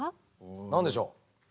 何でしょう？